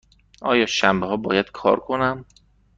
آیا شنبه ها باید کار کنم؟